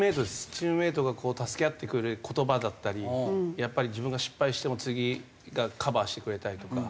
チームメイトが助け合って言葉だったりやっぱり自分が失敗しても次がカバーしてくれたりとか。